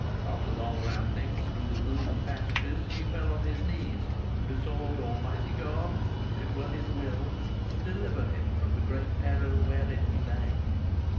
After long ramblings through the gloomy passages, he fell on his knees and besought Almighty God, if it were His will, to deliver him from the great peril wherein he lay.